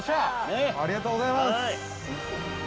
ありがとうございます。